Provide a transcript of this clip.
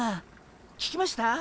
聞きました？